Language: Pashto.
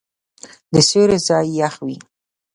د سیوري ځای یخ وي.